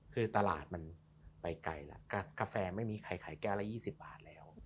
คือตลาดมันไปไกลแล้วกาแฟไม่มีใครขายแก้วละ๒๐บาทแล้ว